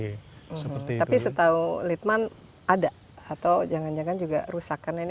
tapi setahu litman ada atau jangan jangan juga rusakan ini